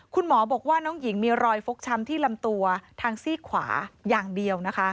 คุณหมอบอกว่าน้องหญิงมีรอยฟกช้ำที่ลำตัวทางซี่ขวาอย่างเดียวนะคะ